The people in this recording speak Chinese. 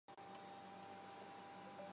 拉尼斯是德国图林根州的一个市镇。